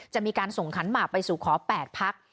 จะมีการส่งขันหมากไปสู่ขอ๘พัก